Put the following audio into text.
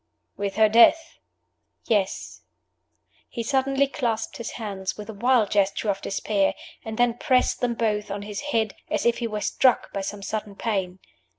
"With her death?" "Yes." He suddenly clasped his hands with a wild gesture of despair, and then pressed them both on his head, as if he were struck by some sudden pain.